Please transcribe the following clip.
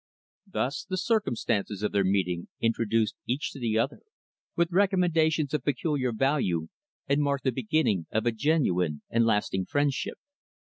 Thus the circumstances of their meeting introduced each to the other, with recommendations of peculiar value, and marked the beginning of a genuine and lasting friendship.